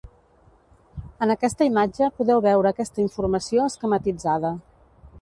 En aquesta imatge podeu veure aquesta informació esquematitzada.